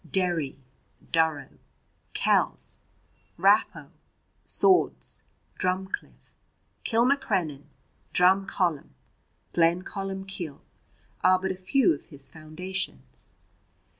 Derry, Durrow, Kells, Raphoe, Sords, Drumcliff, Kilmacrenan, Drumcolumb, Glencolumbcille are but a few of his foundations.